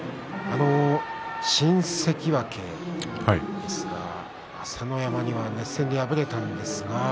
新関脇ですが朝乃山には熱戦で敗れました。